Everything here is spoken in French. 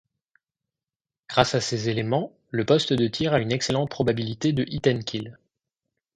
Grâce à ces éléments le poste de tir a une excellente probabilité de hit-and-kill.